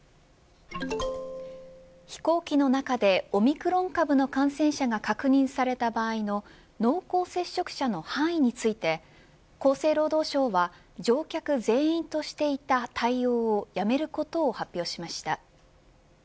飛行機の中でオミクロン株の感染者が確認された場合の濃厚接触者の範囲について厚生労働省は乗客全員としていた対応をやめることを発表しました。